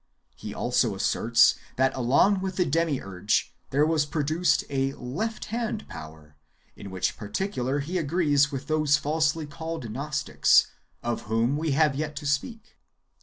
He also asserts that, along with the Demiurge, there was produced a left hand power, in which particular he agrees w^ith those falsely called Gnostics, of whom we have yet to speak.